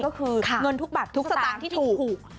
ก็คือเงินทุกบัตรทุกสตางค์ที่ถูก